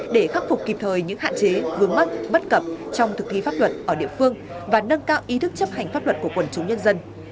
để khắc phục kịp thời những hạn chế vướng mắc bất cập trong thực thi pháp luật ở địa phương và nâng cao ý thức chấp hành pháp luật của quần chúng nhân dân